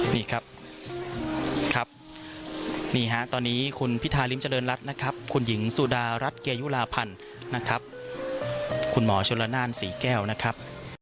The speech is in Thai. นี่ครับครับนี่ฮะตอนนี้คุณพิธาริมเจริญรัฐนะครับคุณหญิงสุดารัฐเกยุลาพันธ์นะครับคุณหมอชนละนานศรีแก้วนะครับ